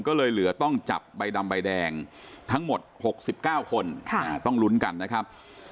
ก็เลยเหลือต้องจับใบดำใบแดงทั้งหมด๖๙คนต้องลุ้นกันนะครับ